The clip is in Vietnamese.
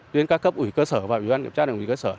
đến các cấp ủy cơ sở và ủy ban kiểm tra đảng ủy cơ sở